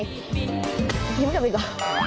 ยิ้มจับอีกหรอ